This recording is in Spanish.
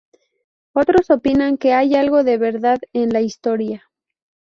Otros opinan que hay algo de verdad en la historia.